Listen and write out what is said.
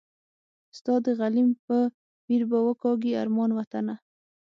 ستا د غلیم په ویر به وکاږي ارمان وطنه